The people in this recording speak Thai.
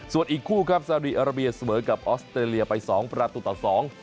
ส่วนอีกคู่ครับซาดีอาราเบียเสมอกับออสเตรเลียไปสองประตูต่อสอง